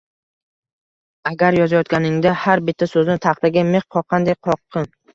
“Asar yozayotganingda har bitta so‘zni taxtaga mix qoqqandek qoqqin